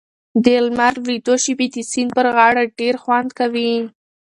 د لمر لوېدو شېبې د سیند پر غاړه ډېر خوند کوي.